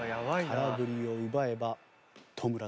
空振りを奪えば戸村の勝ち。